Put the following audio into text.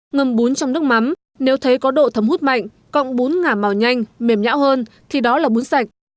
ngầm bún trong nước mắm nếu thấy có độ thấm hút mạnh cộng bún ngả màu nhanh mềm nhão hơn thì đó là bún sạch